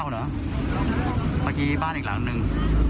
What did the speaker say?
เมื่อกี้บ้านอีกหลังนึง